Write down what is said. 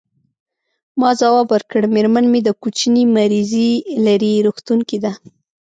ما ځواب ورکړ: میرمن مې د کوچني مریضي لري، روغتون کې ده.